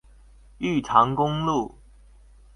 玉長公路